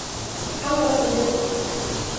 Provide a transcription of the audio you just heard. How about some guitar?